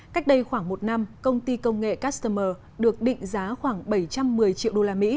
cách đây khoảng một năm công ty công nghệ customer được định giá khoảng bảy trăm một mươi triệu usd